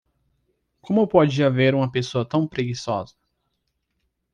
Como pode haver uma pessoa tão preguiçosa?